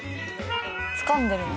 つかんでるの？